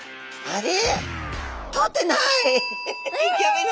あれ？